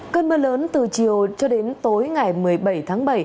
cơn mưa lớn từ chiều cho đến tối ngày một mươi bảy tháng bảy